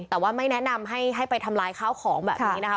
แต่ว่าไม่แนะนำให้ไปทำลายข้าวของแบบนี้นะคะ